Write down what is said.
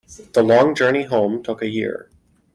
The long journey home took a year.